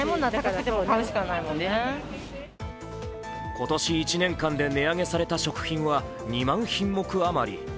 今年一年間で値上げされた食品は２万品目余り。